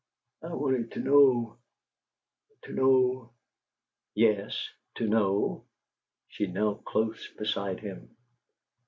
I wanted to know to know " "Yes to know?" She knelt close beside him.